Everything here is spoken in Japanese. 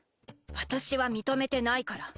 私は認めてないから。